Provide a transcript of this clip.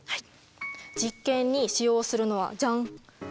実験に使用するのはジャン。